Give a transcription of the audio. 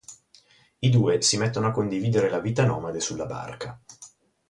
I due si mettono a condividere la vita nomade sulla barca.